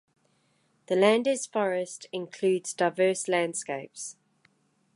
The Landes forest includes diverse landscapes.